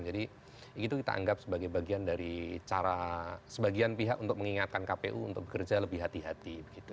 jadi itu kita anggap sebagai bagian dari cara sebagian pihak untuk mengingatkan kpu untuk bekerja lebih hati hati